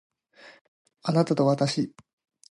あなたとわたし